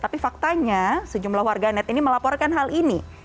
tapi faktanya sejumlah warga net ini melaporkan hal ini